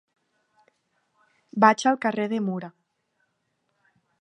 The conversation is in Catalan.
Vaig al carrer de Mura.